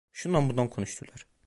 Şundan bundan konuştular.